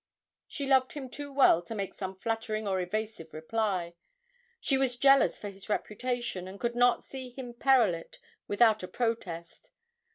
She loved him too well to make some flattering or evasive reply she was jealous for his reputation, and could not see him peril it without a protest.